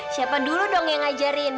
siapa dulu dong yang ngajarin